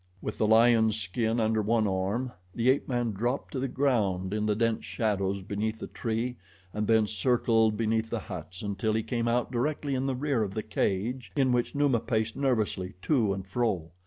With the lion's skin under one arm the ape man dropped to the ground in the dense shadows beneath the tree and then circled behind the huts until he came out directly in the rear of the cage, in which Numa paced nervously to and fro.